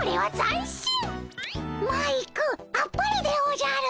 マイクあっぱれでおじゃる。